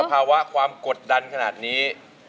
ภาวะความกดดันขนาดนี้